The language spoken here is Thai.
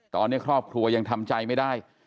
ตอนนี้ครอบครัวยังทำใจไม่ได้